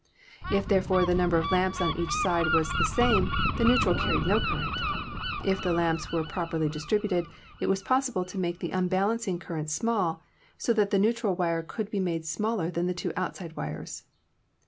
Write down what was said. If, there fore, the number of lamps on each side was the same, the neutral carried no current. If the lamps were prop erly distributed, it was possible to make the unbalancing current small, so that the neutral wire could be made smaller than the two outside wires.